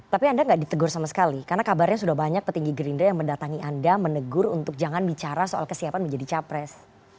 tapi anda nggak ditegur sama sekali karena kabarnya sudah banyak petinggi gerindra yang mendatangi anda menegur untuk jangan bicara soal kesiapan menjadi capres